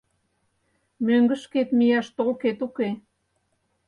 Мӧҥгышкет мияш толкет уке.